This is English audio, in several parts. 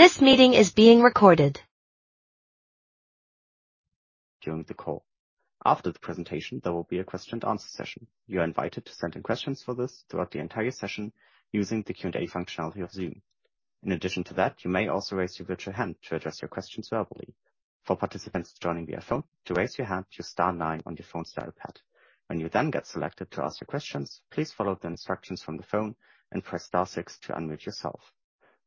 During the call. After the presentation, there will be a question-and-answer session. You are invited to send in questions for this throughout the entire session using the Q&A functionality of Zoom. In addition to that, you may also raise your virtual hand to address your questions verbally. For participants joining via phone, to raise your hand, use star nine on your phone's dial pad. When you then get selected to ask your questions, please follow the instructions from the phone and press Star six to unmute yourself.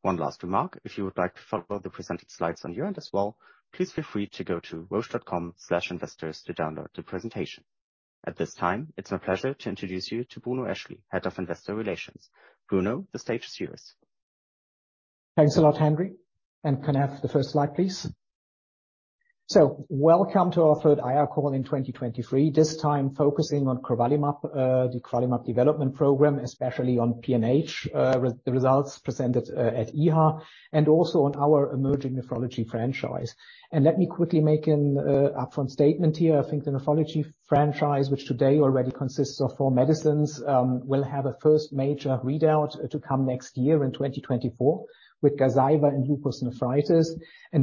One last remark, if you would like to follow the presented slides on your end as well, please feel free to go to roche.com/investors to download the presentation. At this time, it's my pleasure to introduce you to Bruno Eschli, Head of Investor Relations. Bruno, the stage is yours. Thanks a lot, Henry. Can I have the first slide, please? Welcome to our third IR call in 2023, this time focusing on crovalimab, the crovalimab development program, especially on PNH, with the results presented at EHA, and also on our emerging nephrology franchise. Let me quickly make an upfront statement here. I think the nephrology franchise, which today already consists of four medicines, will have a first major readout to come next year in 2024 with Gazyva and lupus nephritis.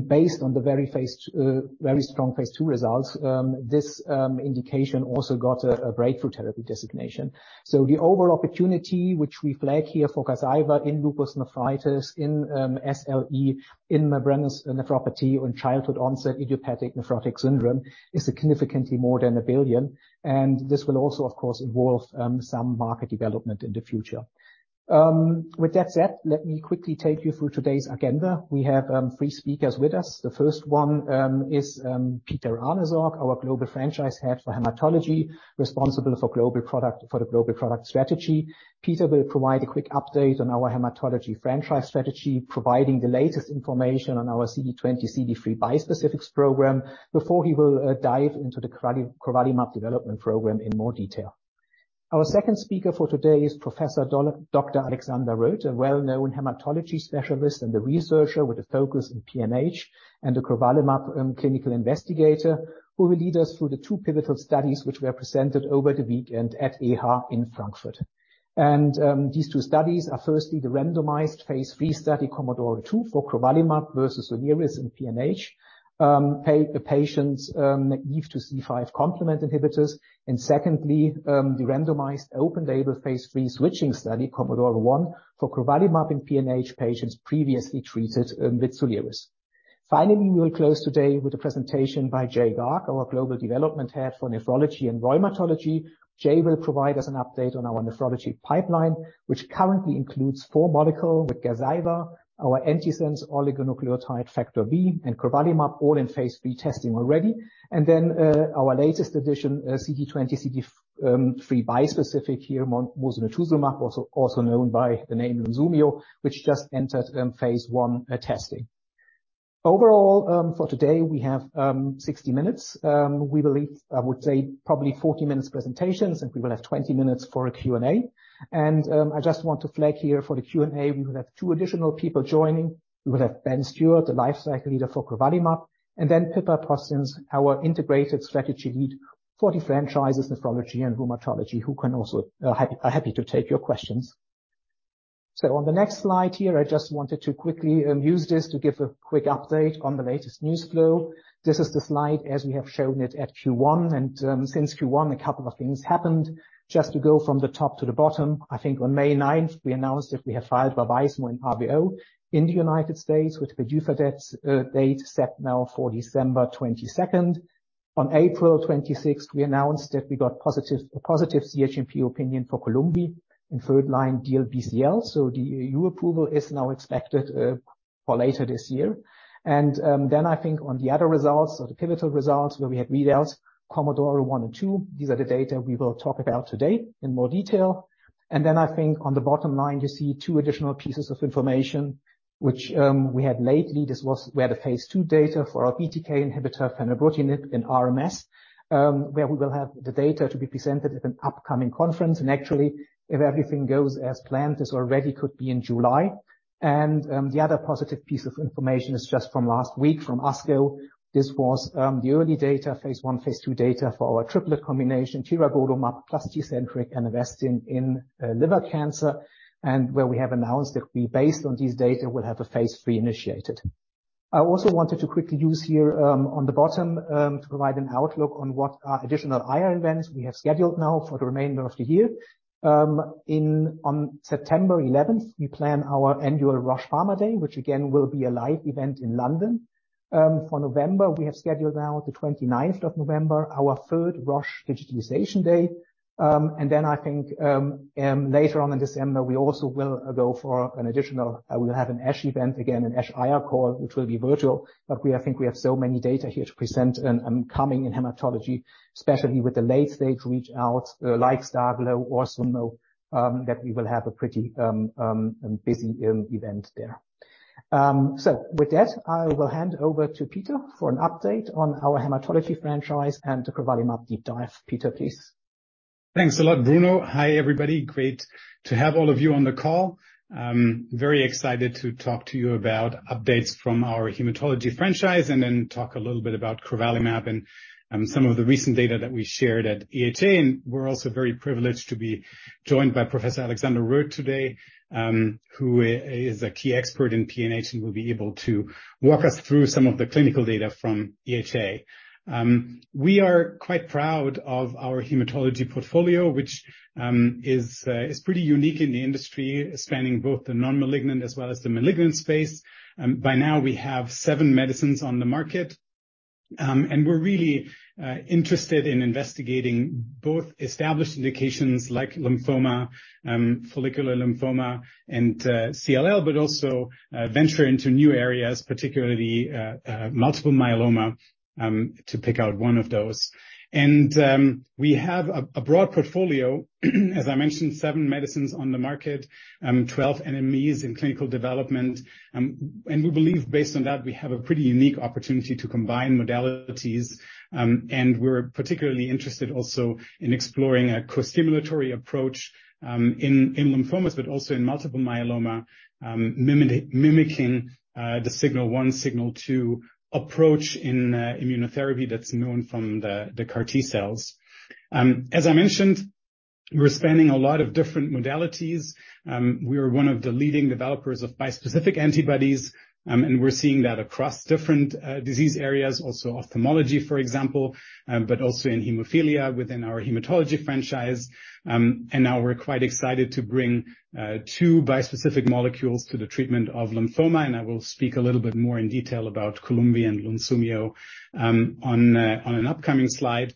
Based on the very strong phase II results, this indication also got a Breakthrough Therapy designation. The overall opportunity, which we flag here for Gazyva in lupus nephritis, in SLE, in membranous nephropathy, or in childhood-onset idiopathic nephrotic syndrome, is significantly more than 1 billion, and this will also, of course, involve some market development in the future. With that said, let me quickly take you through today's agenda. We have three speakers with us. The first one is Peter Ahnesorg, our Global Franchise Head for Hematology, responsible for the global product strategy. Peter will provide a quick update on our hematology franchise strategy, providing the latest information on our CD20, CD3 bi-specifics program before he will dive into the crovalimab development program in more detail. Our second speaker for today is Dr. Alexander Röth, a well-known hematology specialist and a researcher with a focus in PNH and a crovalimab clinical investigator, who will lead us through the two pivotal studies, which were presented over the weekend at EHA in Frankfurt. These two studies are firstly, the randomized Phase III study, COMMODORE 2, for crovalimab versus Soliris in PNH patients naive to C5 complement inhibitors. Secondly, the randomized open label Phase III switching study, COMMODORE 1, for crovalimab in PNH patients previously treated with Soliris. Finally, we will close today with a presentation by Jay Garg, our Global Development Head for Nephrology and Rheumatology. Jay will provide us an update on our nephrology pipeline, which currently includes 4 molecule with Gazyva, our antisense oligonucleotide Factor B, and crovalimab, all in Phase III testing already. Our latest addition, CD20, CD3 bispecific, here, mosunetuzumab, also known by the name Lunsumio, which just entered phase I testing. Overall, for today, we have 60 minutes. We will leave, I would say, probably 40 minutes presentations, and we will have 20 minutes for a Q&A. I just want to flag here for the Q&A, we will have two additional people joining. We will have Ben Stewart, the lifecycle leader for crovalimab, and then Pippa Postins, our integrated strategy lead for the franchises, nephrology and hematology, who are happy to take your questions. On the next slide here, I just wanted to quickly use this to give a quick update on the latest news flow. This is the slide as we have shown it at Q1. Since Q1, a couple of things happened. Just to go from the top to the bottom, I think on May 9th, we announced that we have filed Vabysmo and RVO in the United States, with the user fee date set now for December 22nd. On April 26th, we announced that we got positive, a positive CHMP opinion for Columvi in third line DLBCL, so the EU approval is now expected for later this year. Then I think on the other results, or the pivotal results, where we had readouts, COMMODORE 1 and 2, these are the data we will talk about today in more detail. Then I think on the bottom line, you see two additional pieces of information, which we had lately. This was where the phase II data for our BTK inhibitor, fenebrutinib, in RMS, where we will have the data to be presented at an upcoming conference. Actually, if everything goes as planned, this already could be in July. The other positive piece of information is just from last week, from ASCO. This was the early data, phase I, phase II data, for our triplet combination, tiragolumab plus atezolizumab in liver cancer, where we have announced that we, based on these data, will have a phase III initiated. I also wanted to quickly use here on the bottom to provide an outlook on what are additional IR events we have scheduled now for the remainder of the year. On September eleventh, we plan our annual Roche Pharma Day, which again, will be a live event in London. For November, we have scheduled now the 29th of November, our third Roche Digitalization Day. I think, later on in December, we also will go for I will have an ASH event, again, an ASH IR call, which will be virtual. We I think we have so many data here to present and, coming in hematology, especially with the late-stage reach out, like STARGLO or SUNMO, that we will have a pretty, busy, event there. With that, I will hand over to Peter for an update on our hematology franchise and the crovalimab deep dive. Peter, please. Thanks a lot, Bruno. Hi, everybody. Great to have all of you on the call. Very excited to talk to you about updates from our hematology franchise, and then talk a little bit about crovalimab and some of the recent data that we shared at EHA. We're also very privileged to be joined by Professor Alexander Röth today, who is a key expert in PNH, and will be able to walk us through some of the clinical data from EHA. We are quite proud of our hematology portfolio, which is pretty unique in the industry, spanning both the non-malignant as well as the malignant space. By now, we have seven medicines on the market. We're really interested in investigating both established indications like lymphoma, follicular lymphoma, and CLL, but also venture into new areas, particularly multiple myeloma, to pick out one of those. We have a broad portfolio, as I mentioned, seven medicines on the market, 12 NMEs in clinical development. We believe based on that, we have a pretty unique opportunity to combine modalities. We're particularly interested also in exploring a costimulatory approach, in lymphomas, but also in multiple myeloma, mimicking the signal one, signal two approach in immunotherapy that's known from the CAR T cells. As I mentioned, we're spanning a lot of different modalities. We are one of the leading developers of bispecific antibodies, and we're seeing that across different disease areas, also ophthalmology, for example, but also in hemophilia within our hematology franchise. Now we're quite excited to bring two bispecific molecules to the treatment of lymphoma, and I will speak a little bit more in detail about Columvi and Lunsumio on an upcoming slide.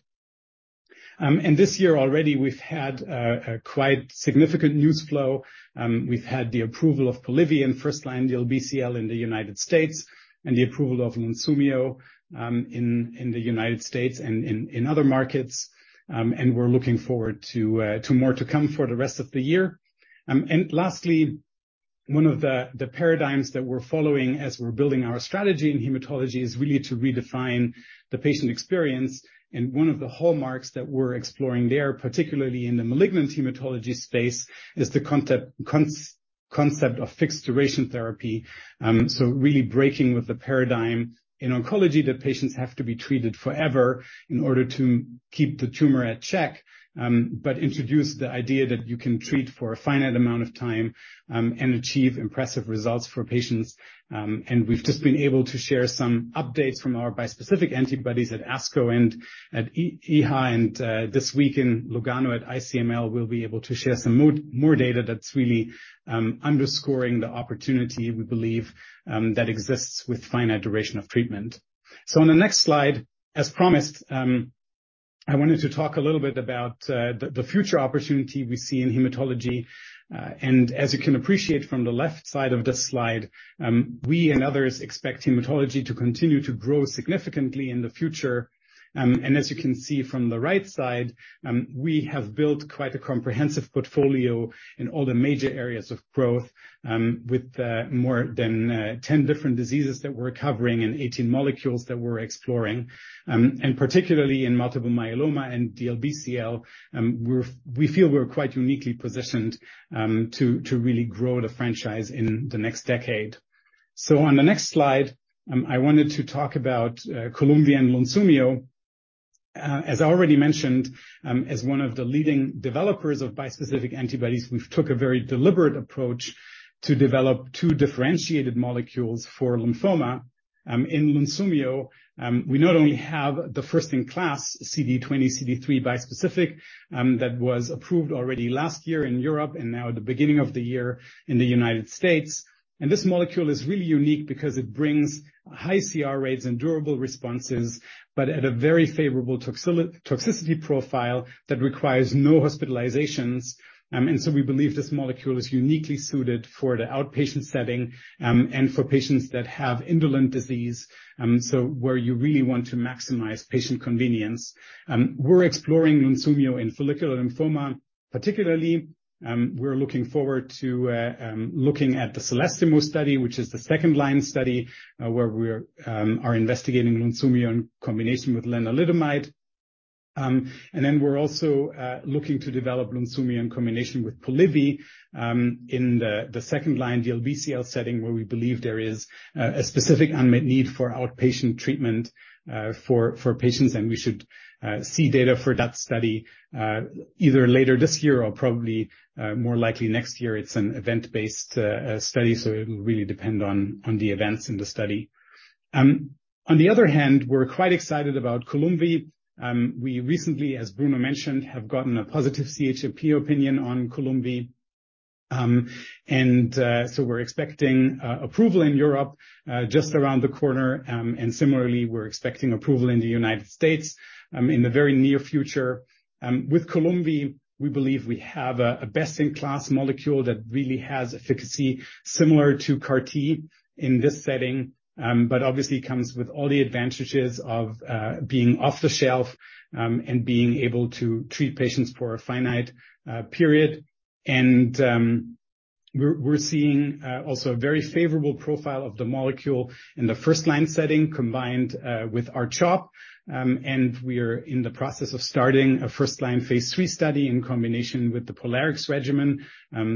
This year already, we've had a quite significant news flow. We've had the approval of Polivy in 1st-line DLBCL in the United States and the approval of Lunsumio in the United States and in other markets. We're looking forward to more to come for the rest of the year. Lastly, one of the paradigms that we're following as we're building our strategy in hematology is really to redefine the patient experience. One of the hallmarks that we're exploring there, particularly in the malignant hematology space, is the concept of fixed-duration therapy. Really breaking with the paradigm in oncology, that patients have to be treated forever in order to keep the tumor at check, but introduce the idea that you can treat for a finite amount of time, and achieve impressive results for patients. We've just been able to share some updates from our bispecific antibodies at ASCO and at EHA, this week in Lugano at ICML, we'll be able to share some more data that's really underscoring the opportunity we believe that exists with finite duration of treatment. On the next slide, as promised, I wanted to talk a little bit about the future opportunity we see in hematology. As you can appreciate from the left side of this slide, we and others expect hematology to continue to grow significantly in the future. As you can see from the right side, we have built quite a comprehensive portfolio in all the major areas of growth, with more than 10 different diseases that we're covering and 18 molecules that we're exploring. Particularly in multiple myeloma and DLBCL, we feel we're quite uniquely positioned to really grow the franchise in the next decade. On the next slide, I wanted to talk about Columvi and Lunsumio. As I already mentioned, as one of the leading developers of bispecific antibodies, we've took a very deliberate approach to develop two differentiated molecules for lymphoma. In Lunsumio, we not only have the first-in-class CD20/CD3 bispecific, that was approved already last year in Europe and now at the beginning of the year in the United States. This molecule is really unique because it brings high CR rates and durable responses, but at a very favorable toxicity profile that requires no hospitalizations. We believe this molecule is uniquely suited for the outpatient setting, and for patients that have indolent disease, so where you really want to maximize patient convenience. We're exploring Lunsumio in follicular lymphoma, particularly, we're looking forward to looking at the CELESTIMO study, which is the second-line study, where we're investigating Lunsumio in combination with lenalidomide. We're also looking to develop Lunsumio in combination with Polivy, in the second-line DLBCL setting, where we believe there is a specific unmet need for outpatient treatment for patients, and we should see data for that study either later this year or probably more likely next year. It's an event-based study, so it will really depend on the events in the study. On the other hand, we're quite excited about Columvi. We recently, as Bruno mentioned, have gotten a positive CHMP opinion on Columvi. We're expecting approval in Europe just around the corner. Similarly, we're expecting approval in the United States in the very near future. With Columvi, we believe we have a best-in-class molecule that really has efficacy similar to CAR T in this setting, but obviously comes with all the advantages of being off-the-shelf and being able to treat patients for a finite period. We're seeing also a very favorable profile of the molecule in the first-line setting, combined with R-CHOP. We are in the process of starting a first-line phase III study in combination with the POLARIX regimen,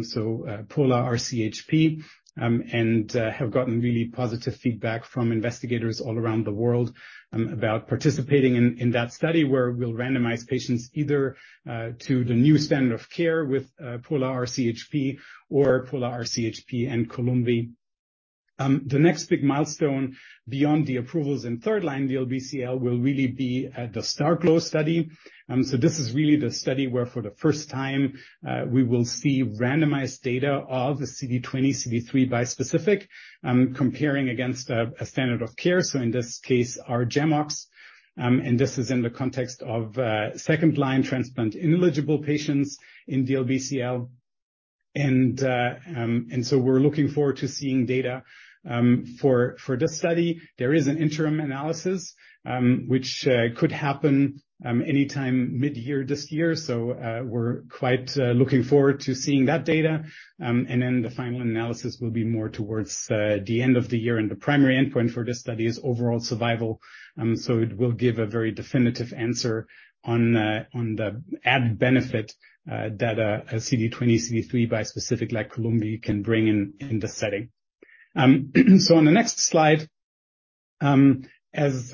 so pola-R-CHP, and have gotten really positive feedback from investigators all around the world about participating in that study, where we'll randomize patients either to the new standard of care with pola-R-CHP or pola-R-CHP and Columvi. The next big milestone beyond the approvals in third-line DLBCL will really be at the STARGLO study. This is really the study where for the first time, we will see randomized data of the CD20/CD3 bispecific, comparing against a standard of care, so in this case, our GemOx. This is in the context of second-line transplant-ineligible patients in DLBCL. We're looking forward to seeing data for this study. There is an interim analysis, which could happen anytime mid-year this year, so we're quite looking forward to seeing that data. The final analysis will be more towards the end of the year, and the primary endpoint for this study is overall survival. It will give a very definitive answer on the add benefit that a CD20/CD3 bispecific like Columvi can bring in this setting. On the next slide, as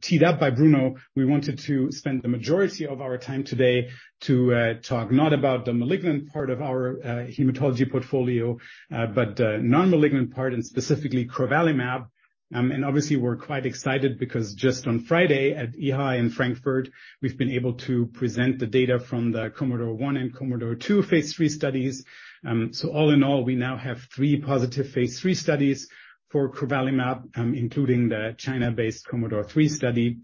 teed up by Bruno, we wanted to spend the majority of our time today to talk not about the malignant part of our hematology portfolio, but the non-malignant part, and specifically crovalimab. Obviously, we're quite excited because just on Friday at EHA in Frankfurt, we've been able to present the data from the COMMODORE 1 and COMMODORE 2 phase III studies. All in all, we now have three positive phase III studies for crovalimab, including the China-based COMMODORE 3 study,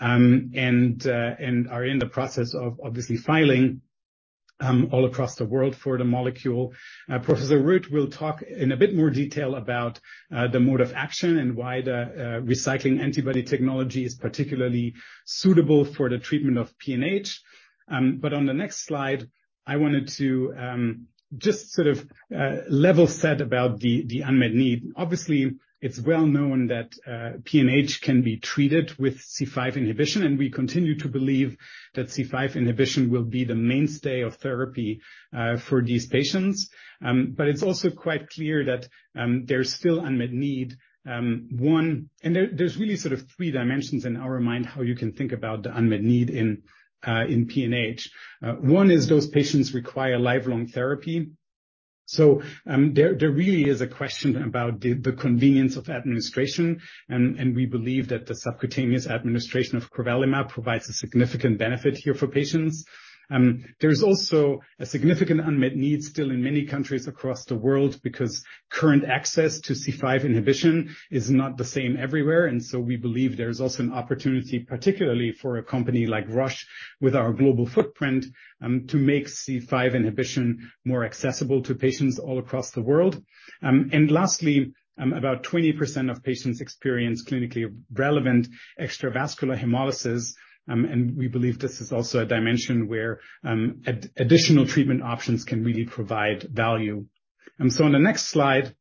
and are in the process of obviously filing all across the world for the molecule. Professor Röth will talk in a bit more detail about the mode of action and why the recycling antibody technology is particularly suitable for the treatment of PNH. On the next slide, I wanted to just sort of level set about the unmet need. Obviously, it's well known that PNH can be treated with C5 inhibition, and we continue to believe that C5 inhibition will be the mainstay of therapy for these patients. It's also quite clear that there's still unmet need. One and there's really sort of three dimensions in our mind, how you can think about the unmet need in PNH. One is those patients require lifelong therapy, so there really is a question about the convenience of administration, and we believe that the subcutaneous administration of crovalimab provides a significant benefit here for patients. There's also a significant unmet need still in many countries across the world because current access to C5 inhibition is not the same everywhere, and so we believe there's also an opportunity, particularly for a company like Roche, with our global footprint, to make C5 inhibition more accessible to patients all across the world. Lastly, about 20% of patients experience clinically relevant extravascular hemolysis, and we believe this is also a dimension where additional treatment options can really provide value. On the next slide,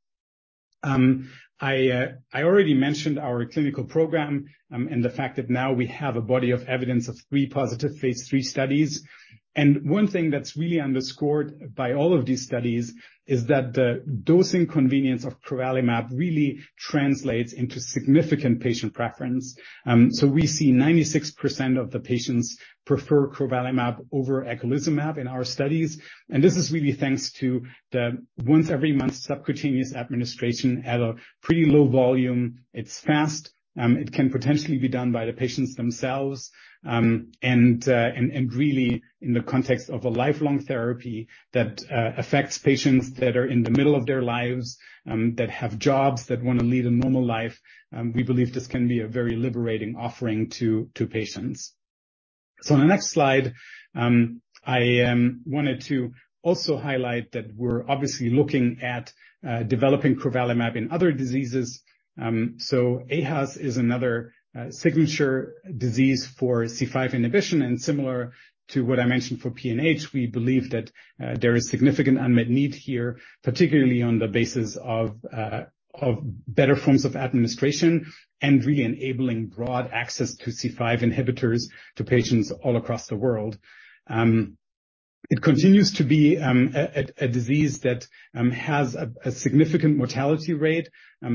I already mentioned our clinical program, and the fact that now we have a body of evidence of three positive phase III studies. One thing that's really underscored by all of these studies is that the dosing convenience of crovalimab really translates into significant patient preference. We see 96% of the patients prefer crovalimab over eculizumab in our studies. This is really thanks to the once-every-month subcutaneous administration at a pretty low volume. It's fast, it can potentially be done by the patients themselves, and really, in the context of a lifelong therapy that affects patients that are in the middle of their lives, that have jobs, that want to lead a normal life, we believe this can be a very liberating offering to patients. On the next slide, I wanted to also highlight that we're obviously looking at developing crovalimab in other diseases. aHUS is another signature disease for C5 inhibition, and similar to what I mentioned for PNH, we believe that there is significant unmet need here, particularly on the basis of better forms of administration and re-enabling broad access to C5 inhibitors to patients all across the world. It continues to be a disease that has a significant mortality rate,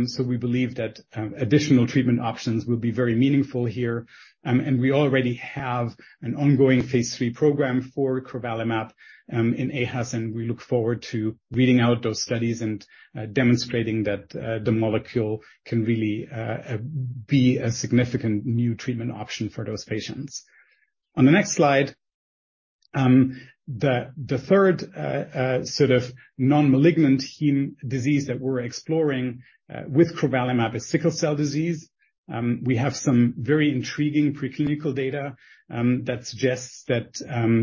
so we believe that additional treatment options will be very meaningful here. We already have an ongoing phase III program for crovalimab in aHUS, and we look forward to reading out those studies and demonstrating that the molecule can really be a significant new treatment option for those patients. On the next slide, the third sort of non-malignant heme disease that we're exploring with crovalimab is sickle cell disease. We have some very intriguing preclinical data that suggests that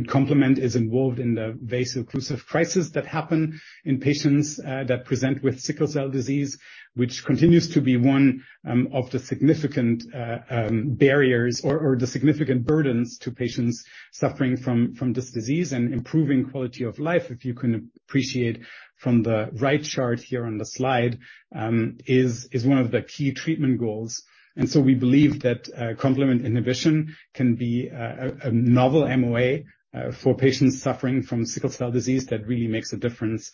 complement is involved in the vaso-occlusive crisis that happen in patients that present with sickle cell disease, which continues to be one of the significant barriers or the significant burdens to patients suffering from this disease and improving quality of life. If you can appreciate from the right chart here on the slide, is one of the key treatment goals. We believe that complement inhibition can be a novel MOA for patients suffering from sickle cell disease that really makes a difference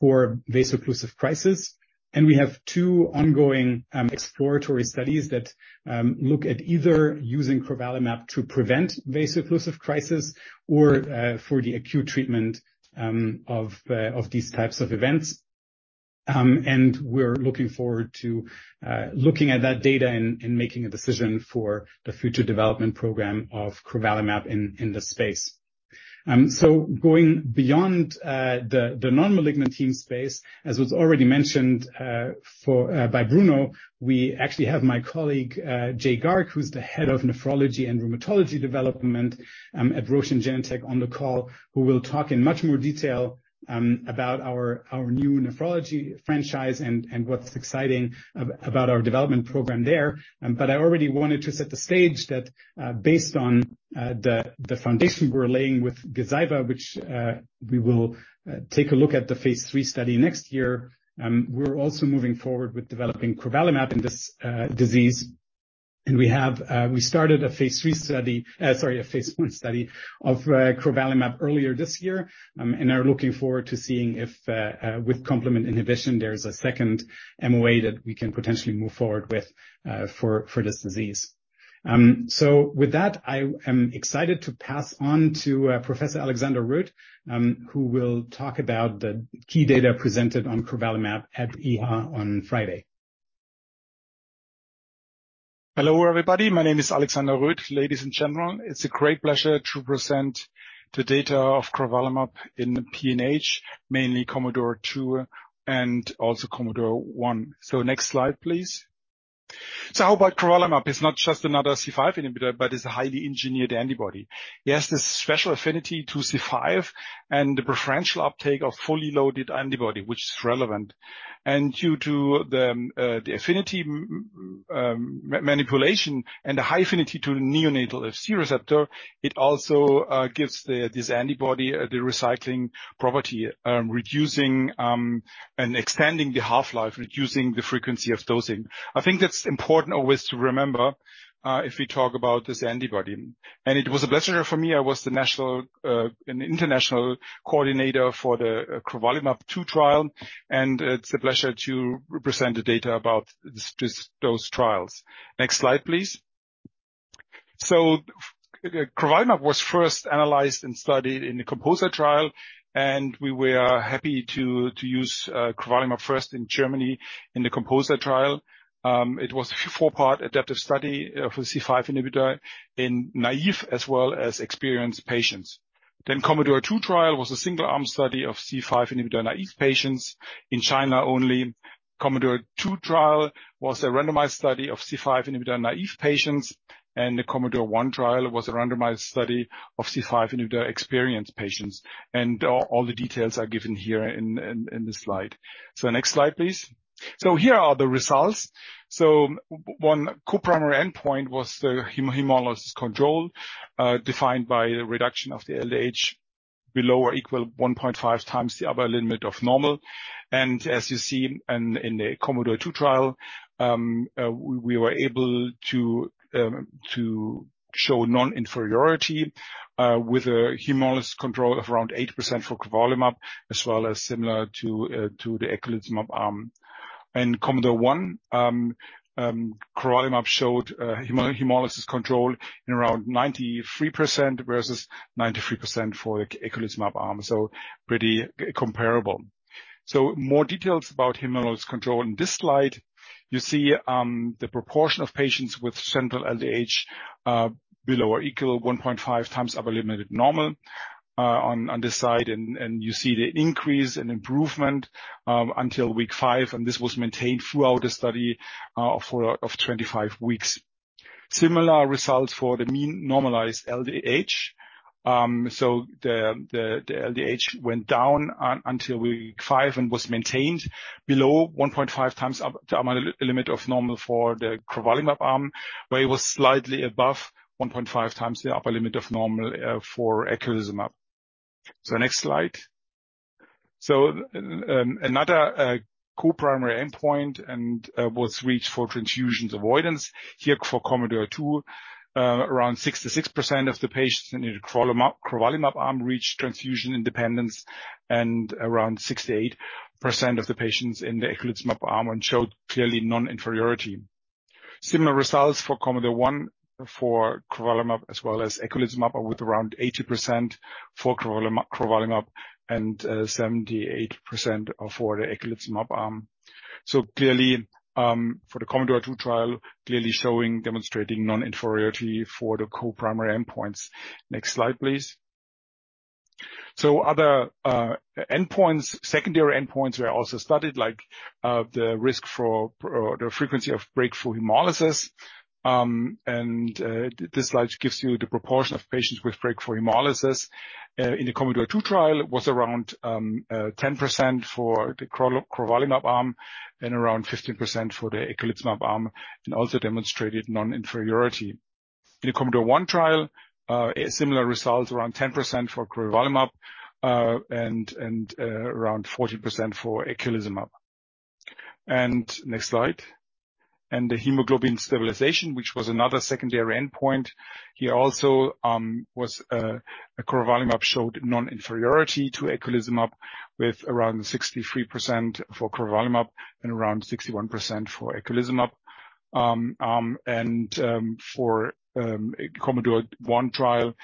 for vaso-occlusive crisis. We have two ongoing exploratory studies that look at either using crovalimab to prevent vaso-occlusive crisis or for the acute treatment of these types of events. We're looking forward to looking at that data and making a decision for the future development program of crovalimab in this space. Going beyond the non-malignant heme space, as was already mentioned for by Bruno, we actually have my colleague Jay Garg, who's the head of nephrology and rheumatology development at Roche and Genentech on the call, who will talk in much more detail about our new nephrology franchise and what's exciting about our development program there. I already wanted to set the stage that, based on the foundation we're laying with Gazyva, which we will take a look at the phase III study next year. We're also moving forward with developing crovalimab in this disease, and we started a phase I study of crovalimab earlier this year, and are looking forward to seeing if with complement inhibition, there is a second MOA that we can potentially move forward with for this disease. With that, I am excited to pass on to Professor Alexander Röth, who will talk about the key data presented on crovalimab at EHA on Friday. Hello, everybody. My name is Alexander Röth. Ladies and gentlemen, it's a great pleasure to present the data of crovalimab in the PNH, mainly COMMODORE 2 and also COMMODORE 1. Next slide, please. How about crovalimab? It's not just another C5 inhibitor, but it's a highly engineered antibody. It has this special affinity to C5 and the preferential uptake of fully loaded antibody, which is relevant. Due to the affinity manipulation and the high affinity to the neonatal Fc receptor, it also gives this antibody the recycling property, reducing and extending the half-life, reducing the frequency of dosing. I think that's important always to remember if we talk about this antibody, it was a pleasure for me. I was the national, an international coordinator for the COMMODORE 2 trial, it's a pleasure to present the data about those trials. Next slide, please. Crovalimab was first analyzed and studied in the COMPOSER trial, we were happy to use crovalimab first in Germany in the COMPOSER trial. It was a four-part adaptive study for C5 inhibitor in naive as well as experienced patients. COMMODORE 2 trial was a single-arm study of C5 inhibitor-naive patients in China only. COMMODORE 2 trial was a randomized study of C5 inhibitor-naive patients, the COMMODORE 1 trial was a randomized study of C5 inhibitor-experienced patients, all the details are given here in this slide. Next slide, please. Here are the results. One co-primary endpoint was the hemolysis control, defined by the reduction of the LDH below or equal to 1.5x the upper limit of normal. As you see in the COMMODORE 2 trial, we were able to show non-inferiority with a hemolysis control of around 8% for crovalimab, as well as similar to the eculizumab arm. In COMMODORE 1, crovalimab showed hemolysis control in around 93% versus 93% for the eculizumab arm. Pretty comparable. More details about hemolysis control. In this slide, you see the proportion of patients with central LDH below or equal to 1.5x upper limited normal on this side. You see the increase and improvement until week five, and this was maintained throughout the study for 25 weeks. Similar results for the mean normalized LDH. The LDH went down until week five and was maintained below 1.5 times up the limit of normal for the crovalimab arm, where it was slightly above 1.5x the upper limit of normal for eculizumab. Next slide. Another co-primary endpoint and was reached for transfusions avoidance. Here for COMMODORE 2, around 66% of the patients in the crovalimab arm reached transfusion independence, and around 68% of the patients in the eculizumab arm, and showed clearly non-inferiority. Similar results for COMMODORE 1 for crovalimab, as well as eculizumab, with around 80% for crovalimab and 78% for the eculizumab arm. Clearly, for the COMMODORE 2 trial, clearly showing, demonstrating non-inferiority for the co-primary endpoints. Next slide, please. Other endpoints, secondary endpoints were also studied, like the risk for, or the frequency of breakthrough hemolysis. And this slide gives you the proportion of patients with breakthrough hemolysis. In the COMMODORE 2 trial, it was around 10% for the crovalimab arm and around 15% for the eculizumab arm, and also demonstrated non-inferiority. In the COMMODORE 1 trial, similar results, around 10% for crovalimab, and around 40% for eculizumab. Next slide. The hemoglobin stabilization, which was another secondary endpoint, here also, was crovalimab showed non-inferiority to eculizumab, with around 63% for crovalimab and around 61% for eculizumab. For COMMODORE 1 trial,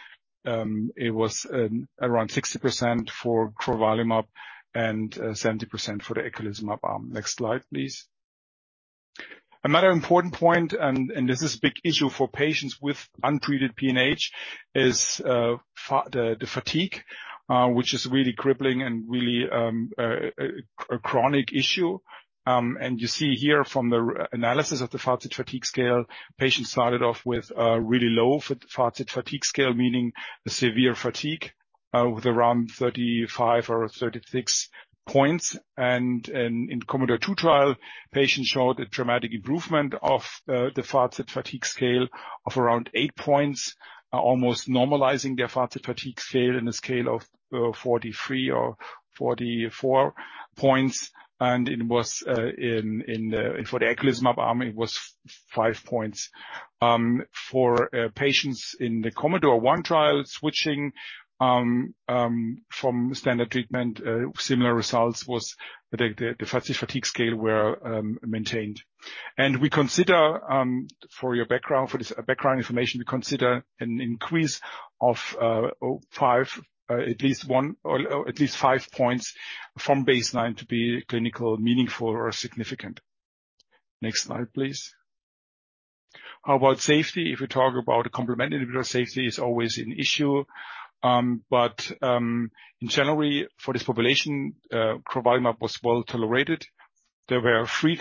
it was around 60% for crovalimab and 70% for the eculizumab arm. Next slide, please. Another important point, and this is a big issue for patients with untreated PNH, is the fatigue, which is really crippling and really a chronic issue. You see here from the analysis of the FACIT-Fatigue Scale, patients started off with really low FACIT-Fatigue Scale, meaning severe fatigue, with around 35 or 36 points. In COMMODORE 2 trial, patients showed a dramatic improvement of the FACIT-Fatigue Scale of around 8 points, almost normalizing their FACIT-Fatigue Scale in a scale of 43 or 44 points, and it was in the eculizumab arm, it was 5 points. For patients in the COMMODORE 1 trial, switching from standard treatment, similar results was the FACIT-Fatigue Scale were maintained. We consider for your background, for this background information, we consider an increase of 0.5, at least one, or at least five points from baseline to be clinical, meaningful, or significant. Next slide, please. How about safety? If we talk about a complementary safety, it's always an issue. In general, for this population, crovalimab was well tolerated. There were three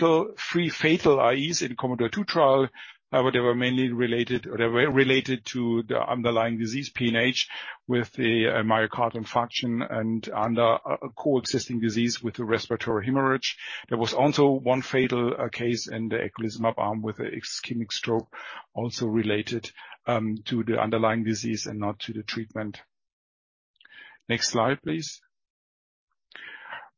fatal AEs in the COMMODORE 2 trial. They were mainly related, or they were related to the underlying disease, PNH, with the myocardial infarction and under a coexisting disease with a respiratory hemorrhage. There was also one fatal case in the eculizumab arm with an ischemic stroke, also related to the underlying disease and not to the treatment. Next slide, please.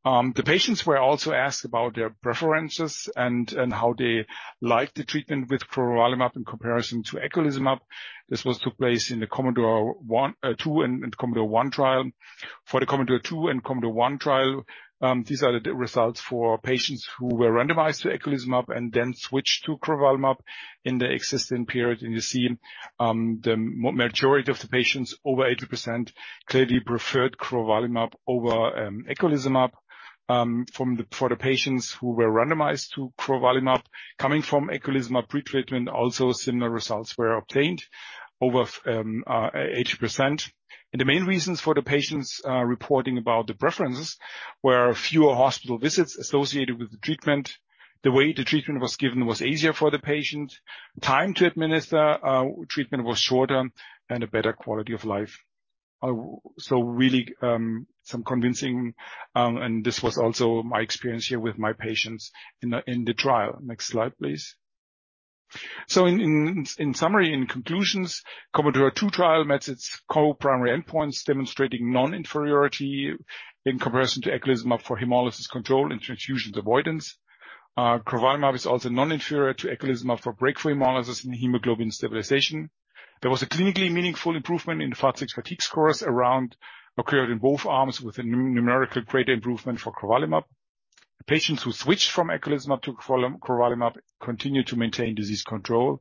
The patients were also asked about their preferences and how they liked the treatment with crovalimab in comparison to eculizumab. This took place in the COMMODORE 1, 2 and COMMODORE 1 trial. For the COMMODORE 2 and COMMODORE 1 trial, these are the results for patients who were randomized to eculizumab and then switched to crovalimab in the existing period. You see, the majority of the patients, over 80%, clearly preferred crovalimab over eculizumab. For the patients who were randomized to crovalimab, coming from eculizumab pretreatment, also similar results were obtained, over 80%. The main reasons for the patients reporting about the preferences were fewer hospital visits associated with the treatment. The way the treatment was given was easier for the patient, time to administer, treatment was shorter and a better quality of life. Really, some convincing, and this was also my experience here with my patients in the trial. Next slide, please. In summary, in conclusions, COMMODORE 2 trial met its co-primary endpoints, demonstrating non-inferiority in comparison to eculizumab for hemolysis control and transfusions avoidance. crovalimab is also non-inferior to eculizumab for breakthrough hemolysis and hemoglobin stabilization. There was a clinically meaningful improvement in the Fatigue Scores occurred in both arms, with a numerically greater improvement for crovalimab. Patients who switched from eculizumab to crovalimab continued to maintain disease control.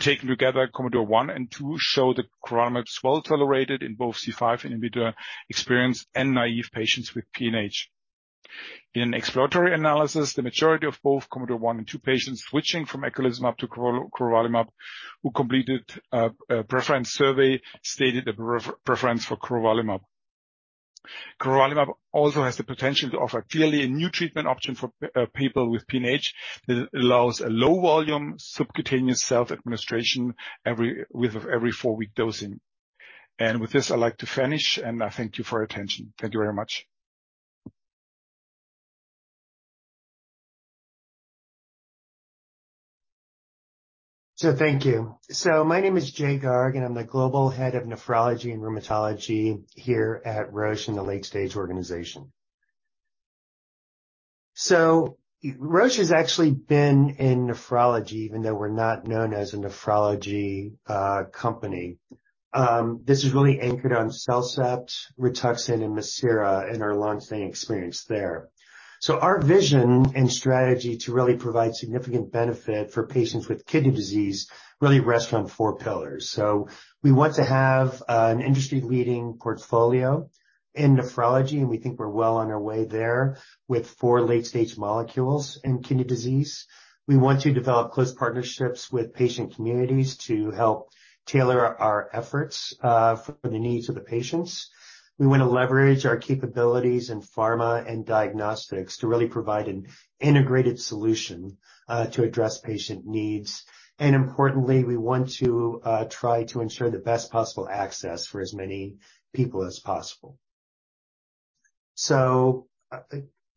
Taken together, COMMODORE 1 and II show that crovalimab is well tolerated in both C5 inhibitor-experienced and naive patients with PNH. In an exploratory analysis, the majority of both COMMODORE 1 and II patients switching from eculizumab to crovalimab, who completed a preference survey, stated a preference for crovalimab. crovalimab also has the potential to offer clearly a new treatment option for people with PNH, that allows a low volume subcutaneous self-administration with every four-week dosing. With this, I'd like to finish, and I thank you for your attention. Thank you very much. Thank you. My name is Jay Garg, and I'm the Global Head of Nephrology and Rheumatology here at Roche, in the late stage organization. Roche has actually been in nephrology, even though we're not known as a nephrology company. This is really anchored on CellCept, Rituxan and Mircera and our long-standing experience there. Our vision and strategy to really provide significant benefit for patients with kidney disease really rests on four pillars. We want to have an industry-leading portfolio in nephrology, and we think we're well on our way there with four late-stage molecules in kidney disease. We want to develop close partnerships with patient communities to tailor our efforts for the needs of the patients. We want to leverage our capabilities in pharma and diagnostics to really provide an integrated solution to address patient needs. Importantly, we want to try to ensure the best possible access for as many people as possible.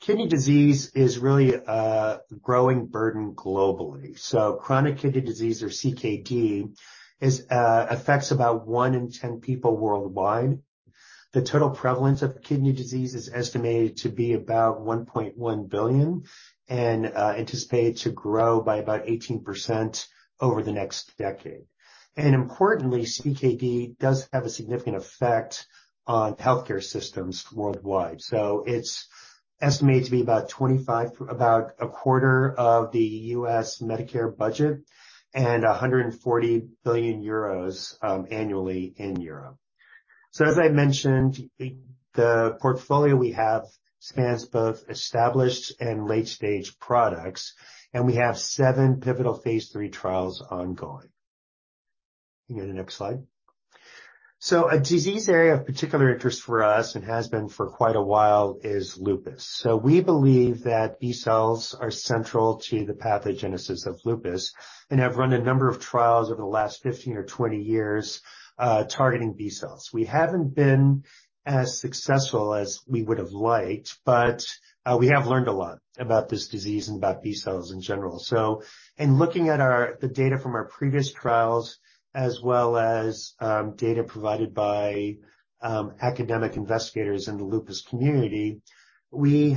Kidney disease is really a growing burden globally. Chronic kidney disease, or CKD, affects about 1 in 10 people worldwide. The total prevalence of kidney disease is estimated to be about 1.1 billion and anticipated to grow by about 18% over the next decade. Importantly, CKD does have a significant effect on healthcare systems worldwide. It's estimated to be about 25, about a quarter of the US Medicare budget and 140 billion euros annually in Europe. As I mentioned, the portfolio we have spans both established and late-stage products, and we have seven pivotal phase III trials ongoing. Can you go to the next slide? A disease area of particular interest for us, and has been for quite a while, is lupus. We believe that B cells are central to the pathogenesis of lupus and have run a number of trials over the last 15 or 20 years, targeting B cells. We haven't been as successful as we would have liked, but we have learned a lot about this disease and about B cells in general. In looking at the data from our previous trials, as well as data provided by academic investigators in the lupus community, we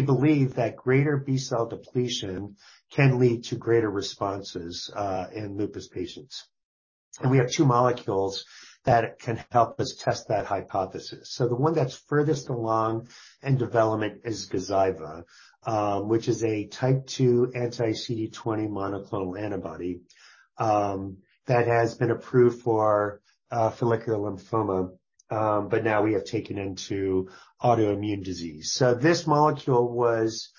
believe that greater B-cell depletion can lead to greater responses in lupus patients. We have two molecules that can help us test that hypothesis. The one that's furthest along in development is Gazyva, which is a type 2 anti-CD20 monoclonal antibody, that has been approved for follicular lymphoma, but now we have taken into autoimmune disease. This molecule was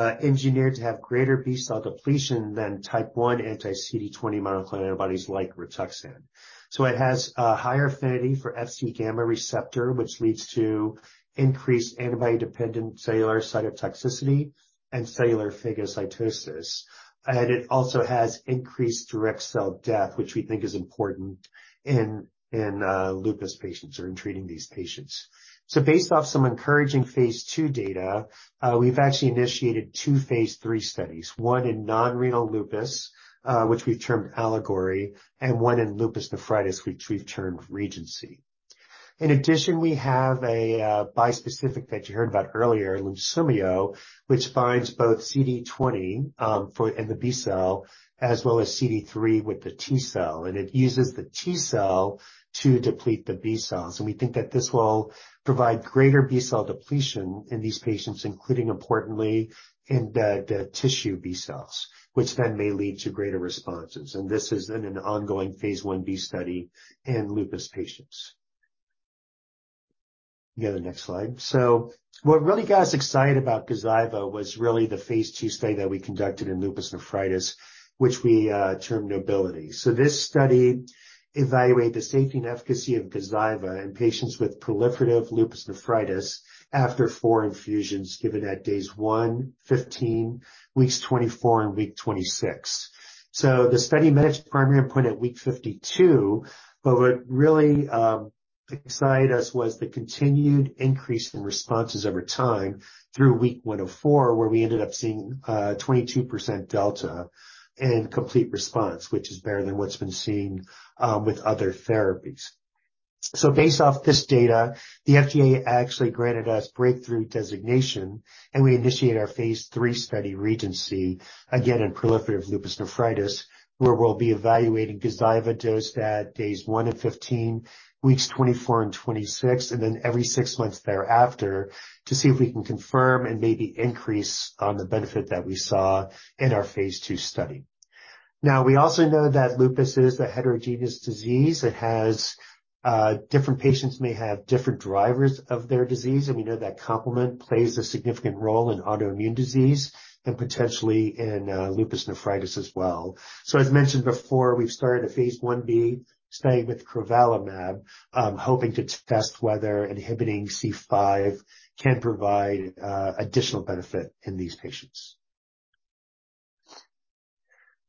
engineered to have greater B-cell depletion than type 1 anti-CD20 monoclonal antibodies like Rituxan. It has a higher affinity for Fc gamma receptor, which leads to increased antibody-dependent cellular cytotoxicity and cellular phagocytosis. It also has increased direct cell death, which we think is important in lupus patients or in treating these patients. Based off some encouraging phase II data, we've actually initiated two phase III studies, 1 in non-renal lupus, which we've termed ALLEGORY, and one in lupus nephritis, which we've termed REGENCY. In addition, we have a bispecific that you heard about earlier, Lunsumio, which binds both CD20 for in the B-cell, as well as CD3 with the T-cell, and it uses the T-cell to deplete the B cells. We think that this will provide greater B-cell depletion in these patients, including importantly, in the tissue B cells, which then may lead to greater responses. This is in an ongoing phase I-B study in lupus patients. Can you go to the next slide? What really got us excited about Gazyva was really the phase II study that we conducted in lupus nephritis, which we termed NOBILITY. This study evaluated the safety and efficacy of Gazyva in patients with proliferative lupus nephritis after four infusions given at days 1, 15, weeks 24, and week 26. The study met its primary endpoint at week 52, but what really excited us was the continued increase in responses over time through week 104, where we ended up seeing a 22% delta in complete response, which is better than what's been seen with other therapies. Based off this data, the FDA actually granted us Breakthrough Designation, and we initiated our Phase III study, REGENCY, again in proliferative lupus nephritis, where we'll be evaluating Gazyva dose at days 1 and 15, weeks 24 and 26, and then every 6 months thereafter, to see if we can confirm and maybe increase on the benefit that we saw in our Phase II study. We also know that lupus is a heterogeneous disease. It has different patients may have different drivers of their disease, we know that complement plays a significant role in autoimmune disease and potentially in lupus nephritis as well. As mentioned before, we've started a phase I-B study with crovalimab, hoping to test whether inhibiting C5 can provide additional benefit in these patients.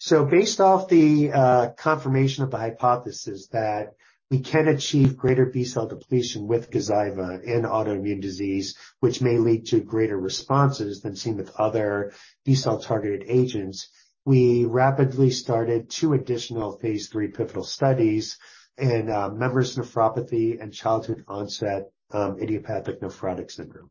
Based off the confirmation of the hypothesis that we can achieve greater B-cell depletion with Gazyva in autoimmune disease, which may lead to greater responses than seen with other B-cell-targeted agents, we rapidly started two additional phase III pivotal studies in membranous nephropathy and childhood-onset idiopathic nephrotic syndrome.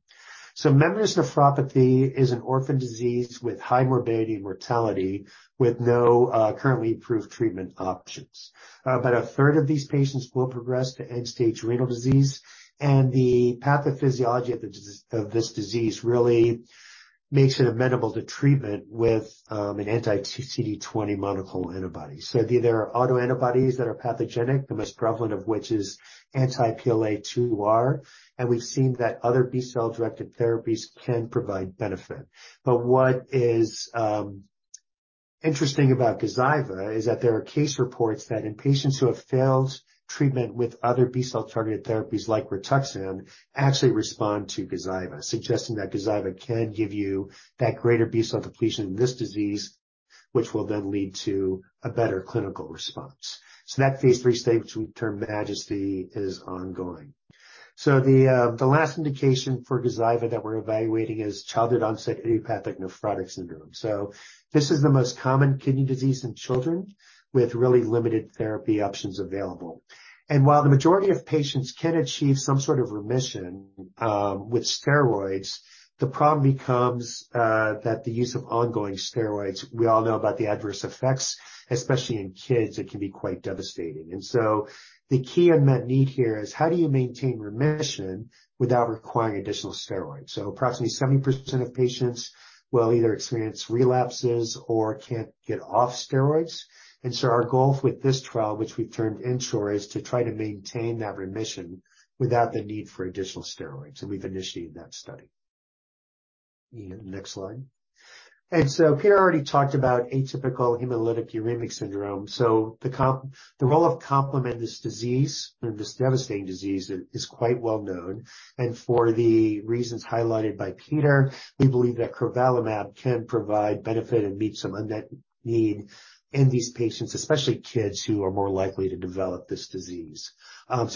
Membranous nephropathy is an orphan disease with high morbidity and mortality, with no currently approved treatment options. About a third of these patients will progress to end-stage renal disease, and the pathophysiology of this disease really makes it amenable to treatment with an anti-CD20 monoclonal antibody. There are autoantibodies that are pathogenic, the most prevalent of which is anti-PLA2R, and we've seen that other B-cell-directed therapies can provide benefit. What is interesting about Gazyva is that there are case reports that in patients who have failed treatment with other B-cell targeted therapies like Rituxan, actually respond to Gazyva, suggesting that Gazyva can give you that greater B-cell depletion in this disease, which will then lead to a better clinical response. That phase III stage, which we term MAJESTY, is ongoing. The last indication for Gazyva that we're evaluating is childhood-onset idiopathic nephrotic syndrome. This is the most common kidney disease in children with really limited therapy options available. While the majority of patients can achieve some sort of remission with steroids, the problem becomes that the use of ongoing steroids, we all know about the adverse effects, especially in kids, it can be quite devastating. The key unmet need here is how do you maintain remission without requiring additional steroids? Approximately 70% of patients will either experience relapses or can't get off steroids. Our goal with this trial, which we've termed INSURE, is to try to maintain that remission without the need for additional steroids, and we've initiated that study. Next slide. Peter already talked about atypical hemolytic uremic syndrome. The role of complement, this disease, in this devastating disease is quite well known, and for the reasons highlighted by Peter, we believe that crovalimab can provide benefit and meet some unmet need in these patients, especially kids who are more likely to develop this disease.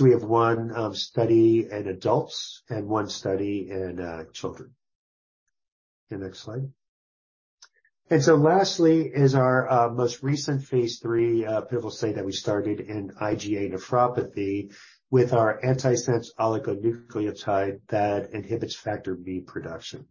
We have one study in adults and one study in children. Next slide. Lastly is our most recent phase III pivotal study that we started in IgA nephropathy with our antisense oligonucleotide that inhibits Factor B production.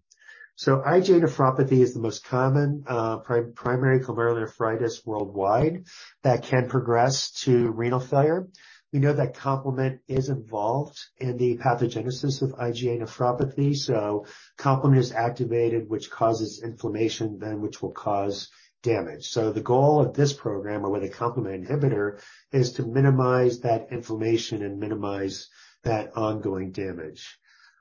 IgA nephropathy is the most common primary glomerulonephritis worldwide that can progress to renal failure. We know that complement is involved in the pathogenesis of IgA nephropathy, so complement is activated, which causes inflammation then, which will cause damage. The goal of this program, or with a complement inhibitor, is to minimize that inflammation and minimize that ongoing damage.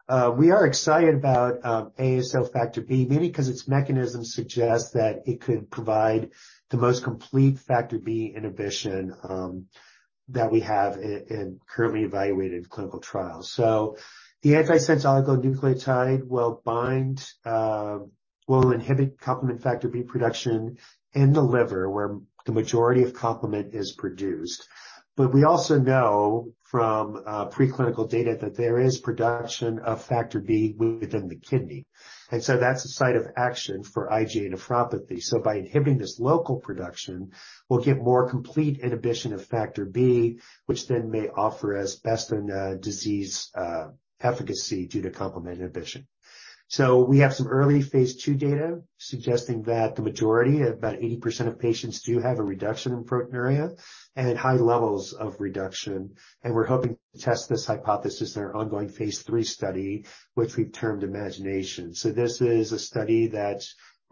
We are excited about ASO factor B, mainly because its mechanism suggests that it could provide the most complete Factor B inhibition that we have in currently evaluated clinical trials. The antisense oligonucleotide will bind, will inhibit complement Factor B production in the liver, where the majority of complement is produced. We also know from preclinical data that there is production of Factor B within the kidney. That's a site of action for IgA nephropathy. By inhibiting this local production, we'll get more complete inhibition of Factor B, which then may offer us best-in-disease efficacy due to complement inhibition. We have some early phase II data suggesting that the majority, about 80% of patients, do have a reduction in proteinuria and high levels of reduction. We're hoping to test this hypothesis in our ongoing phase III study, which we've termed IMAGINATION. This is a study that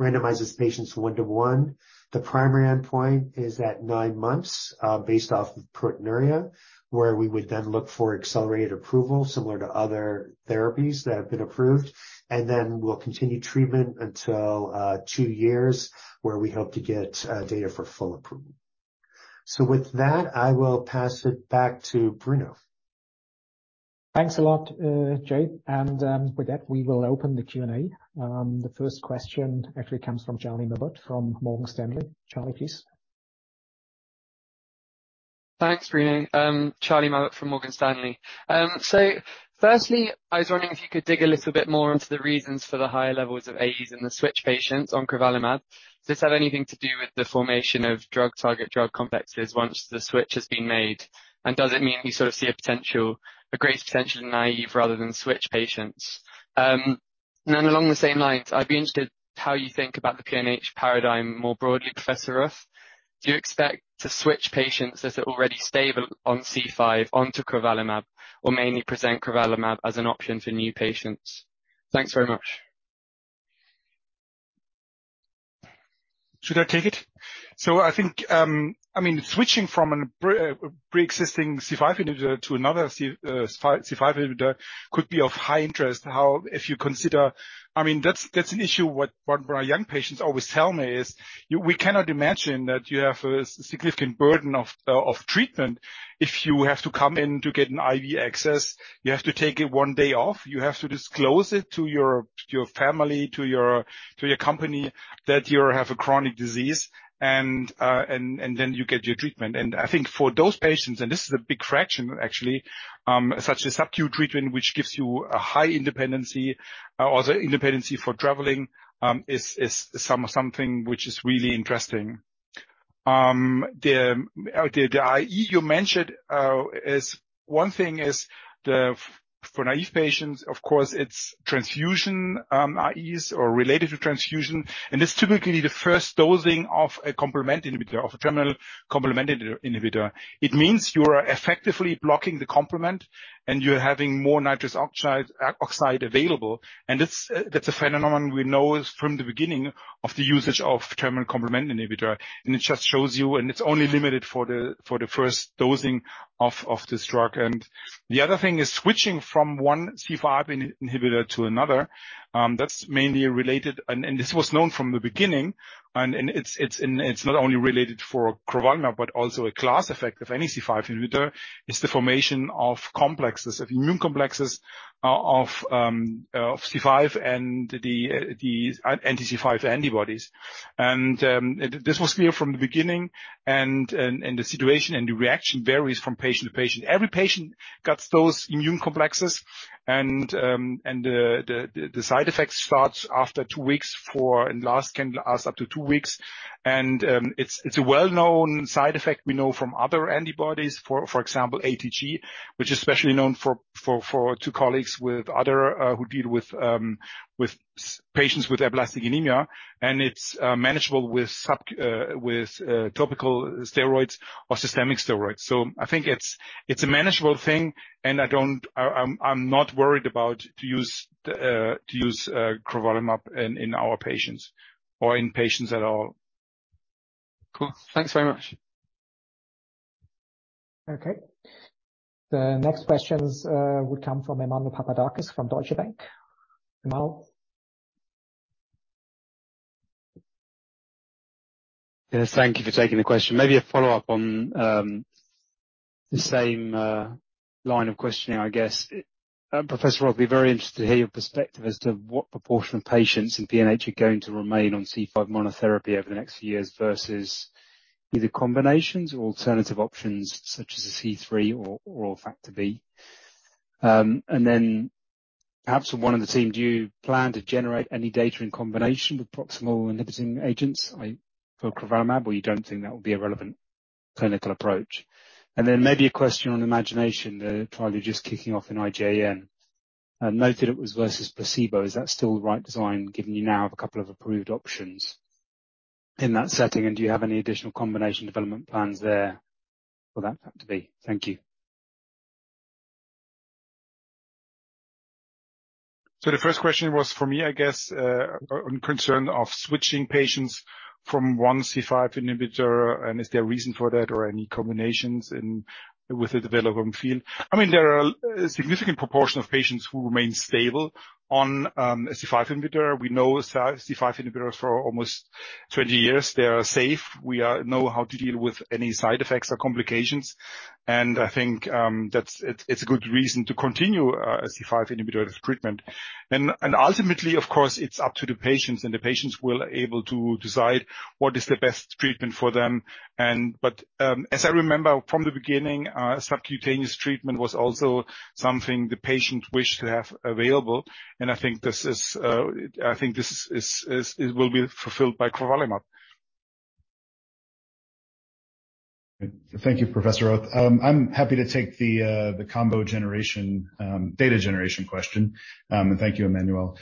randomizes patients 1:1. The primary endpoint is at 9 months, based off of proteinuria, where we would then look for accelerated approval, similar to other therapies that have been approved. Then we'll continue treatment until 2 years, where we hope to get data for full approval. With that, I will pass it back to Bruno. Thanks a lot, Jay. With that, we will open the Q&A. The first question actually comes from Charlie Mowat, from Morgan Stanley. Charlie, please. Thanks, Bruno. Charlie Mowat from Morgan Stanley. Firstly, I was wondering if you could dig a little bit more into the reasons for the higher levels of AEs in the switch patients on crovalimab. Does this have anything to do with the formation of drug-target, drug complexes once the switch has been made? Does it mean you sort of see a potential, a greater potential in naive rather than switch patients? Along the same lines, I'd be interested how you think about the PNH paradigm more broadly, Professor Röth. Do you expect to switch patients that are already stable on C5 onto crovalimab, or mainly present crovalimab as an option for new patients? Thanks very much. Should I take it? I think, I mean, switching from a preexisting C5 inhibitor to another C5 inhibitor could be of high interest. If you consider, I mean, that's an issue. What our young patients always tell me is we cannot imagine that you have a significant burden of treatment. If you have to come in to get an IV access, you have to take it one day off, you have to disclose it to your family, to your company, that you have a chronic disease, and then you get your treatment. I think for those patients, and this is a big fraction, actually, such a subQ treatment, which gives you a high independency or independency for traveling, is something which is really interesting. The IE you mentioned, is one thing is the, for naive patients, of course, it's transfusion, IEs or related to transfusion, and it's typically the first dosing of a complement inhibitor, of a terminal complement inhibitor. It means you are effectively blocking the complement, and you're having more nitrous oxide available, and that's a phenomenon we know is from the beginning of the usage of terminal complement inhibitor. It just shows you, and it's only limited for the first dosing of this drug. The other thing is switching from one C5 inhibitor to another, that's mainly related. This was known from the beginning, and it's not only related for crovalimab, but also a class effect of any C5 inhibitor, is the formation of immune complexes of C5 and the anti-C5 antibodies. This was clear from the beginning, and the situation and the reaction varies from patient to patient. Every patient gets those immune complexes, and the side effects start after two weeks and last, can last up to two weeks. It's a well-known side effect we know from other antibodies, for example, ATG, which is especially known for two colleagues with other. who deal with patients with aplastic anemia, and it's manageable with topical steroids or systemic steroids. I think it's a manageable thing, I'm not worried about to use crovalimab in our patients or in patients at all. Cool. Thanks very much. Okay. The next questions would come from Emmanuel Papadakis from Deutsche Bank. Emmanuel? Yes, thank you for taking the question. Maybe a follow-up on the same line of questioning, I guess. Professor Röth, I'd be very interested to hear your perspective as to what proportion of patients in PNH are going to remain on C5 monotherapy over the next few years versus either combinations or alternative options such as a C3 or oral Factor B. Perhaps for one of the team, do you plan to generate any data in combination with proximal inhibiting agents, like for crovalimab, or you don't think that would be a relevant clinical approach? Maybe a question on IMAGINATION, the trial you're just kicking off in IgAN. I noted it was versus placebo. Is that still the right design, given you now have a couple of approved options in that setting, and do you have any additional combination development plans there for that Factor B? Thank you. The first question was for me, I guess, on concern of switching patients from one C5 inhibitor, is there a reason for that or any combinations in, with the developing field? I mean, there are a significant proportion of patients who remain stable on a C5 inhibitor. We know C5 inhibitors for almost 20 years. They are safe. We are know how to deal with any side effects or complications, I think that's, it's a good reason to continue a C5 inhibitor treatment. Ultimately, of course, it's up to the patients, the patients will able to decide what is the best treatment for them. As I remember from the beginning, subcutaneous treatment was also something the patient wished to have available, and I think this will be fulfilled by crovalimab. Thank you, Professor Röth. I'm happy to take the combo generation, data generation question. Thank you, Emmanuel.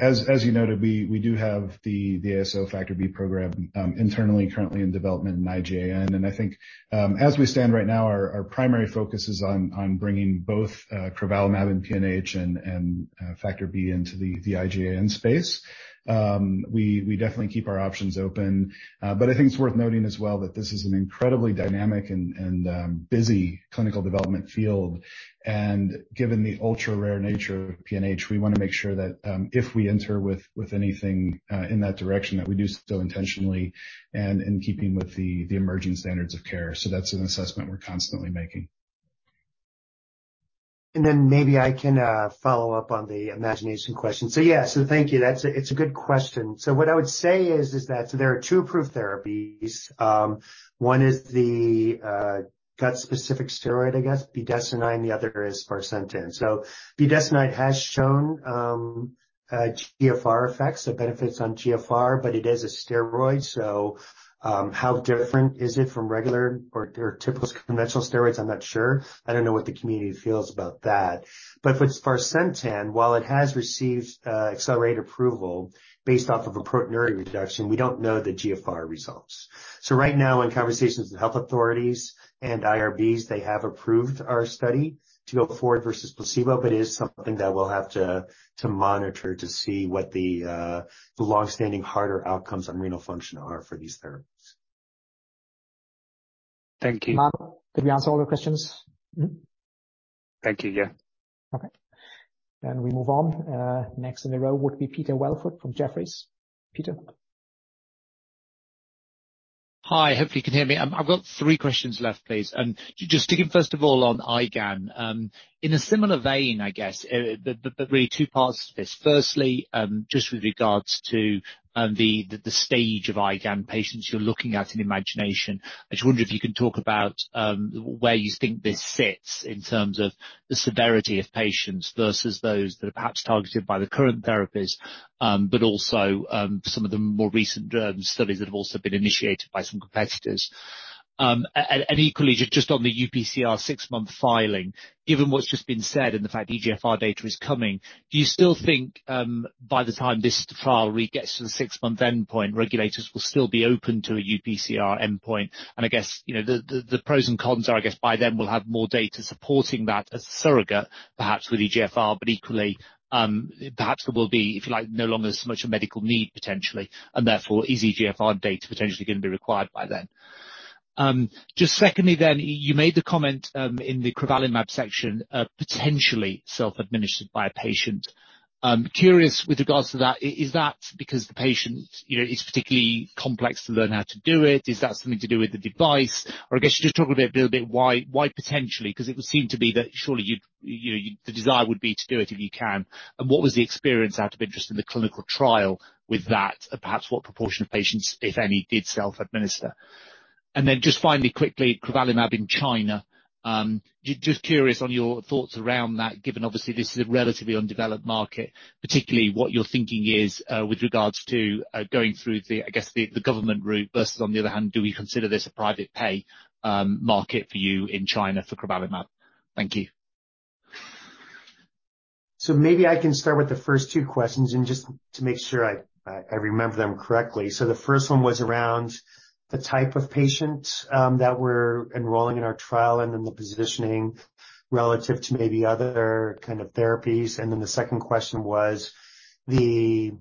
As you noted, we do have the ASO Factor B program internally currently in development in IgAN, and I think as we stand right now, our primary focus is on bringing both crovalimab in PNH and Factor B into the IgAN space. We definitely keep our options open, but I think it's worth noting as well that this is an incredibly dynamic and busy clinical development field. Given the ultra-rare nature of PNH, we want to make sure that if we enter with anything in that direction, that we do so intentionally and in keeping with the emerging standards of care. That's an assessment we're constantly making. Maybe I can follow-up on the IMAGINATION question. Thank you. That's a good question. What I would say is that there are two approved therapies. One is the gut-specific steroid, I guess, budesonide, and the other is sparsentan. budesonide has shown GFR effects, benefits on GFR, but it is a steroid, how different is it from regular or typical conventional steroids? I'm not sure. I don't know what the community feels about that. For sparsentan, while it has received accelerated approval based off of a proteinuria reduction, we don't know the GFR results. Right now, in conversations with health authorities and IRBs, they have approved our study to go forward versus placebo, but it is something that we'll have to monitor to see what the long-standing harder outcomes on renal function are for these therapies. Thank you. Emmanuel, did we answer all your questions? Thank you. Yeah. Okay. We move on. Next in the row would be Peter Welford from Jefferies. Peter? Hi, hopefully you can hear me. I've got three questions left, please. Just sticking first of all on IgAN. In a similar vein, I guess, but really two parts to this. Firstly, just with regards to the stage of IgAN patients you're looking at in IMAGINATION, I just wonder if you can talk about where you think this sits in terms of the severity of patients versus those that are perhaps targeted by the current therapies, but also some of the more recent studies that have also been initiated by some competitors. Equally, just on the UPCR six-month filing, given what's just been said, and the fact eGFR data is coming, do you still think, by the time this trial really gets to the six-month endpoint, regulators will still be open to a UPCR endpoint? I guess, you know, the pros and cons are, I guess, by then we'll have more data supporting that as a surrogate, perhaps with eGFR, but equally, perhaps there will be, if you like, no longer as much a medical need potentially, and therefore, eGFR data potentially going to be required by then. Secondly, then, you made the comment, in the crovalimab section, potentially self-administered by a patient. Curious with regards to that, is that because the patient, you know, is particularly complex to learn how to do it? Is that something to do with the device? I guess you just talk a bit, little bit, why potentially? It would seem to be that surely you'd, you know, the desire would be to do it if you can. What was the experience out of interest in the clinical trial with that, and perhaps what proportion of patients, if any, did self-administer? Just finally, quickly, crovalimab in China. Just curious on your thoughts around that, given obviously this is a relatively undeveloped market, particularly what your thinking is with regards to going through the, I guess, the government route versus on the other hand, do we consider this a private pay market for you in China for crovalimab? Thank you. Maybe I can start with the first two questions and just to make sure I remember them correctly. The first one was around the type of patient that we're enrolling in our trial and then the positioning relative to maybe other kind of therapies. The second question was the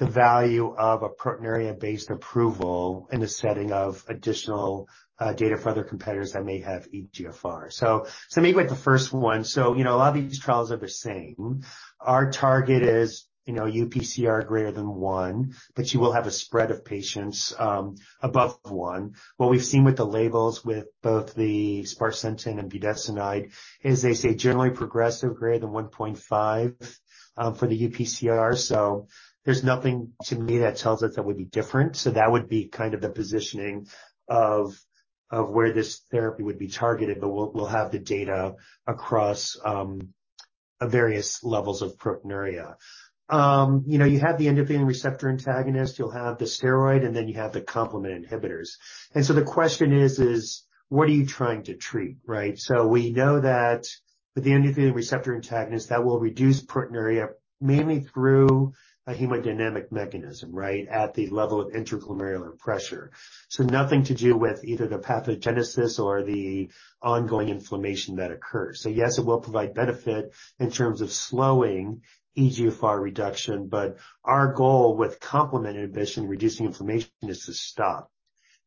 value of a proteinuria-based approval in the setting of additional data for other competitors that may have eGFR. Maybe with the first one, you know, a lot of these trials are the same. Our target is, you know, UPCR greater than one, but you will have a spread of patients above one. What we've seen with the labels, with both the sparsentan and budesonide, is they say generally progressive, greater than 1.5 for the UPCR. There's nothing to me that tells us that would be different. That would be kind of the positioning of where this therapy would be targeted, but we'll have the data across various levels of proteinuria. You know, you have the endothelin receptor antagonist, you'll have the steroid, and then you have the complement inhibitors. The question is what are you trying to treat, right? We know that with the endothelin receptor antagonist, that will reduce proteinuria, mainly through a hemodynamic mechanism, right, at the level of intraglomerular pressure. Nothing to do with either the pathogenesis or the ongoing inflammation that occurs. Yes, it will provide benefit in terms of slowing eGFR reduction, but our goal with complement inhibition, reducing inflammation, is to stop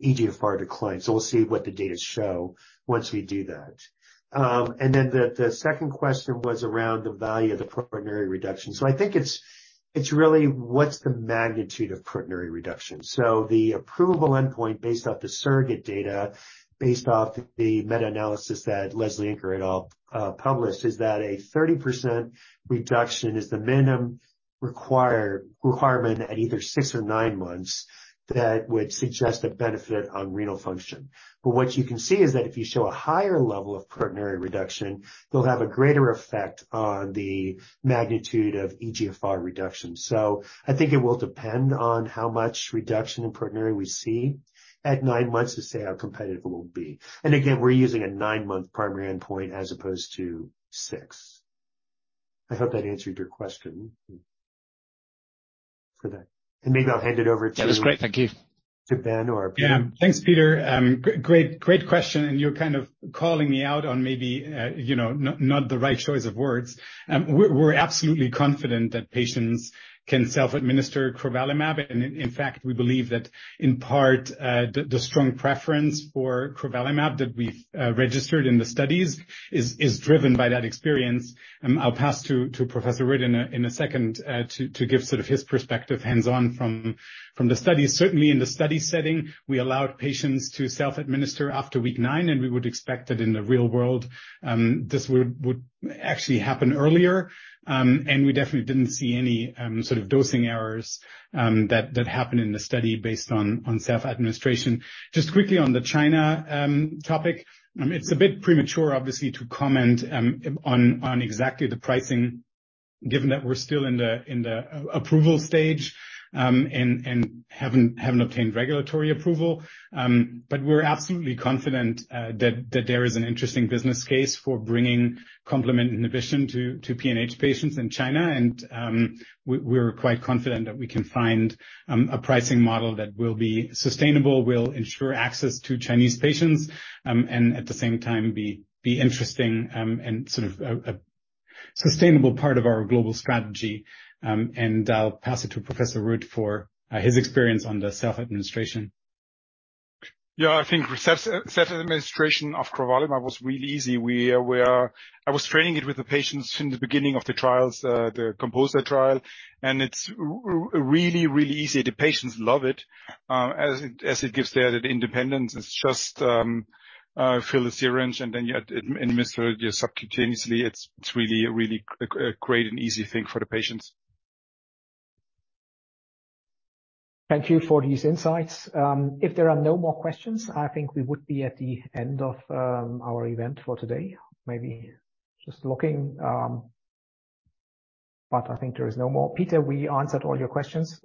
eGFR decline. We'll see what the data show once we do that. The second question was around the value of the proteinuria reduction. I think it's really what's the magnitude of proteinuria reduction? The approvable endpoint based off the surrogate data, based off the meta-analysis that Lesley Inker et al. published, is that a 30% reduction is the minimum required requirement at either six or nine months that would suggest a benefit on renal function. What you can see is that if you show a higher level of proteinuria reduction, you'll have a greater effect on the magnitude of eGFR reduction. I think it will depend on how much reduction in proteinuria we see at nine months to say how competitive it will be. Again, we're using a 9-month primary endpoint as opposed to six. I hope that answered your question. Maybe I'll hand it over. That was great. Thank you. To Ben or Peter. Yeah. Thanks, Peter. Great question. You're kind of calling me out on maybe, you know, not the right choice of words. We're absolutely confident that patients can self-administer crovalimab. In fact, we believe that in part, the strong preference for crovalimab that we've registered in the studies is driven by that experience. I'll pass to Professor Röth in a second, to give sort of his perspective hands-on from the study. Certainly, in the study setting, we allowed patients to self-administer after week nine. We would expect that in the real world, this would actually happen earlier. We definitely didn't see any sort of dosing errors that happened in the study based on self-administration. Just quickly on the China topic. It's a bit premature, obviously, to comment on exactly the pricing, given that we're still in the approval stage, and haven't obtained regulatory approval. We're absolutely confident that there is an interesting business case for bringing complement inhibition to PNH patients in China, and we're quite confident that we can find a pricing model that will be sustainable, will ensure access to Chinese patients, and at the same time, be interesting, and sort of a sustainable part of our global strategy. I'll pass it to Professor Röth for his experience on the self-administration. I think self-administration of crovalimab was really easy. I was training it with the patients from the beginning of the trials, the COMPOSER trial, and it's really, really easy. The patients love it, as it gives them the independence. It's just fill the syringe, and then you administer it subcutaneously. It's really, really a great and easy thing for the patients. Thank you for these insights. If there are no more questions, I think we would be at the end of our event for today. Maybe just looking, but I think there is no more. Peter, we answered all your questions?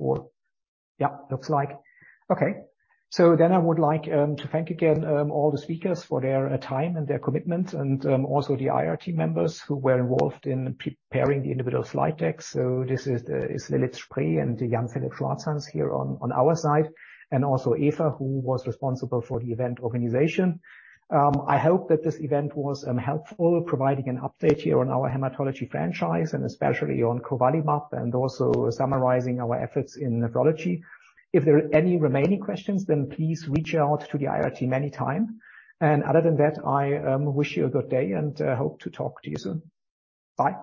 Yeah, looks like. Okay. I would like to thank again all the speakers for their time and their commitment, and also the IRT members who were involved in preparing the individual slide decks. This is Lilit Sprieth and Jan-Philipp Lautenschläger here on our side, and also Eva, who was responsible for the event organization. I hope that this event was helpful, providing an update here on our hematology franchise and especially on crovalimab, and also summarizing our efforts in nephrology. If there are any remaining questions, then please reach out to the IRT anytime. Other than that, I wish you a good day and hope to talk to you soon. Bye.